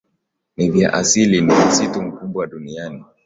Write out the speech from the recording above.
ni vya asili ni msitu mkubwa duniani